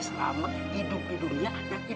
selamat hidup di dunia dan hidup di air